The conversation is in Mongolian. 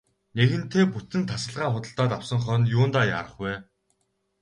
Нэгэнтээ бүтэн тасалгаа худалдаад авсан хойно юундаа яарах вэ.